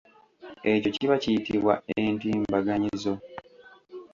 Ekyo kiba kiyitibwa entimbaganyizo.